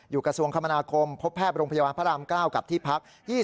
กระทรวงคมนาคมพบแพทย์โรงพยาบาลพระราม๙กับที่พัก